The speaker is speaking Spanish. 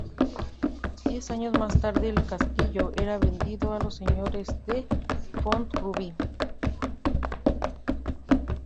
Diez años más tarde el castillo era vendido a los señores de Font-rubí.